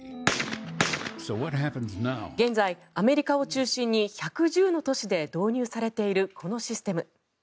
現在、アメリカを中心に１１０の都市で導入されているこのシステム。